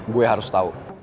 gue harus tau